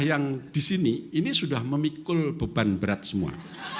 yang di sini ini sudah memikul beban berat semua